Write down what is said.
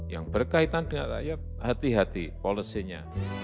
yang berkaitan dengan rakyat hati hati polosinya